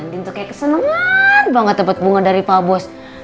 sandi tuh kayak kesenengaaang banget dapet bunga dari pa bos